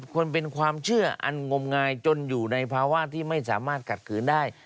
ควรเป็นความเชื่ออันงมงายจนอยู่ในภาวะที่ไม่สามารถขัดขืนได้